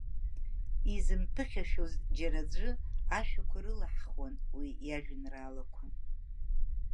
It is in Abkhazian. Изымԥыхьашәоз џьара аӡәы, ашәақәа рылаҳхуан уи иажәеинраалақәа.